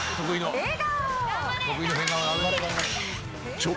笑顔。